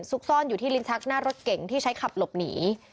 ซ่อนอยู่ที่ลิ้นชักหน้ารถเก๋งที่ใช้ขับหลบหนี